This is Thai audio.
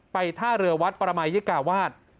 ไปท่าเรือวัดปรมัยยิกาวาส